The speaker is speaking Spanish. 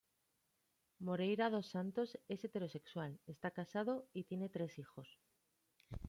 Moreira dos Santos es heterosexual, está casado y tiene tres hijos.